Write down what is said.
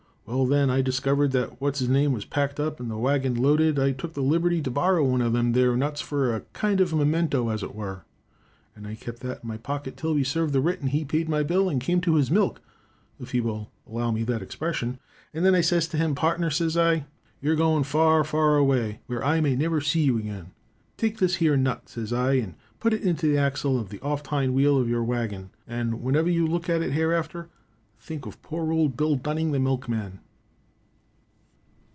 Well, when I diskivered that what's his name was packed up and the waggin loaded, I took the liberty to borrow one o' them there nuts fur a kind of momento, as it were, and I kept that in my pocket till we served the writ and he paid my bill and came to his milk, if you'll allow me that expression, and then I says to him, 'Pardner,' says I, you are going far, far away where I may never see you again. Take this here nut,' says I, 'and put it onto the exle of the oft hind wheel of your waggin, and whenever you look at it hereafter, think of poor old Bill Dunning, the milkman.'"